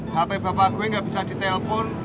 hp bapak gue gak bisa ditelepon